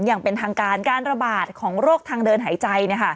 อย่างเป็นทางการการระบาดของโรคทางเดินหายใจ